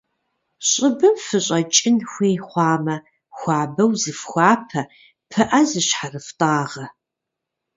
ЩӀыбым фыщӀэкӀын хуей хъуамэ, хуабэу зыфхуапэ, пыӏэ зыщхьэрыфтӏагъэ.